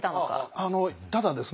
あのただですね